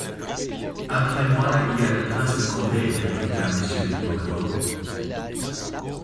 Après moi, il y a le prince de Condé, répliqua Monsieur de Pomereux.